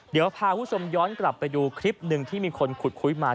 เดี๋ยวพาคุณผู้ชมย้อนกลับไปดูคลิปหนึ่งที่มีคนขุดคุยมา